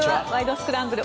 スクランブル」